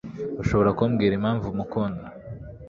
ushobora kumbwira impamvu umukunda